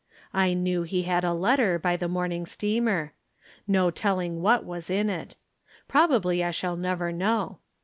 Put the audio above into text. I knew he had a letter by the morning steamer. No telling what was in it. Probably I shall never know.